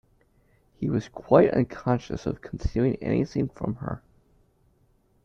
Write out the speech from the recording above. He was quite unconscious of concealing anything from her.